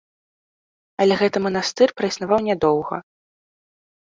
Але гэты манастыр праіснаваў нядоўга.